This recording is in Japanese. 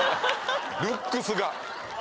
ルックスが。